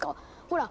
ほら！